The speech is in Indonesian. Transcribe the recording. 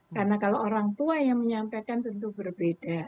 karena kalau orang tua yang menyampaikan tentu berbeda